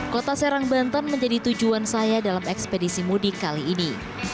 kota serang banten menjadi tujuan saya dalam ekspedisi mudik kali ini